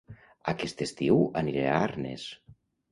Aquest estiu aniré a Arnes